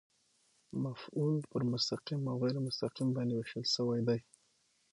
مفعول پر مستقیم او غېر مستقیم باندي وېشل سوی دئ.